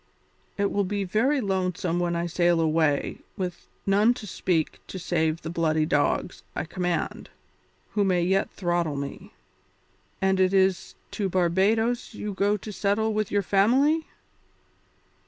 It will be very lonely when I sail away with none to speak to save the bloody dogs I command, who may yet throttle me. And it is to Barbadoes you go to settle with your family?"